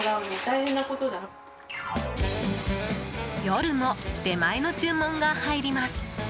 夜も出前の注文が入ります。